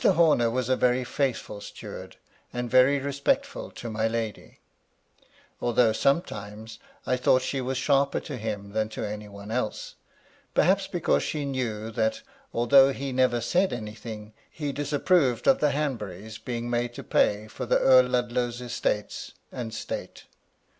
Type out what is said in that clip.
Horner was a very faithful steward, and very respectful to my lady ; although, sometimes, I thought she was sharper to him than to any one else ; perhaps because she knew that, although he never said any thing, he disapproved of the Hanburys being made to pay for the Earl Ludlow's estates and state.